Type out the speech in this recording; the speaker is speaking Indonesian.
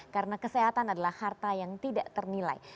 karena kesehatan adalah harta yang tidak ternilai